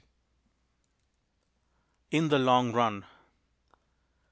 IN THE LONG RUN.